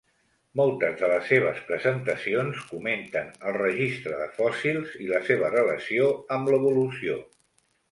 Moltes de les seves presentacions comenten el registre de fòssils i la seva relació amb l'evolució.